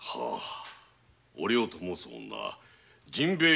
お涼と申す女陣兵